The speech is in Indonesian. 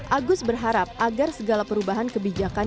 agus berharap agar segala perubahan kebijakan